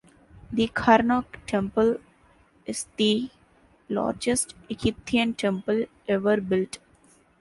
The Karnak temple is the largest Egyptian temple ever built.